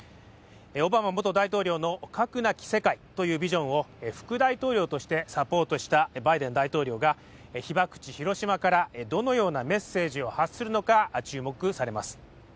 オバマ元大統領の核なき世界というビジョンを副大統領としてサポートしたバイデン大統領が、被爆地・広島からどのようなメッセージを発するのか注目されます。